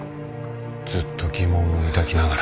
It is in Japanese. ずっと疑問を抱きながら。